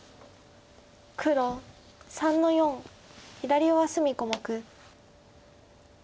黒３の四左上隅小目。